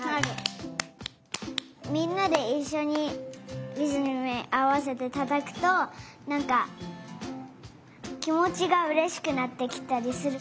みんなでいっしょにリズムにあわせてたたくとなんかきもちがうれしくなってきたりする。